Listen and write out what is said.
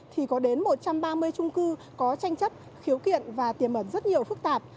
thì có đến một trăm ba mươi chung cư có tranh chấp khiếu kiện và tiềm ẩn rất nhiều phương án